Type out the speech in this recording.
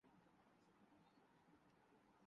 میں Bill Gates کی مثال دیتا ہوں۔